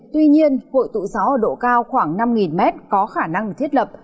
tuy nhiên hội tụ gió ở độ cao khoảng năm m có khả năng thiết lập